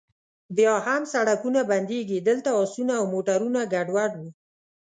بیا هم سړکونه بندیږي، دلته اسونه او موټرونه ګډوډ و.